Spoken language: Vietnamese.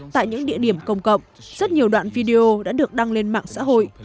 tại những địa điểm công cộng rất nhiều đoạn video đã được đăng lên mạng xã hội